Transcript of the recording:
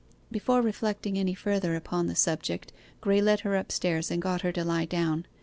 Before reflecting any further upon the subject Graye led her upstairs and got her to lie down.